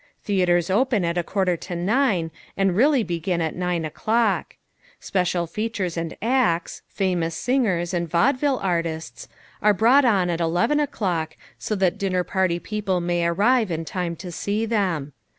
Theatres open at a quarter to nine and really begin at nine o'clock. Special features and acts, famous singers and vaudeville artists are brought on at eleven o'clock so that dinner party people may arrive in time to see them.